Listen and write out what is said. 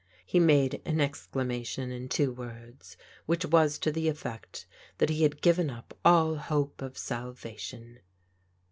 He made an exclamation in two words, which was to the effect that he had given up all hope of salva tion.